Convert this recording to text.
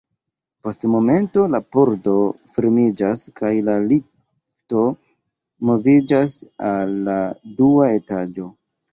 Post momento la pordo fermiĝas kaj la lifto moviĝas al la dua etaĝo.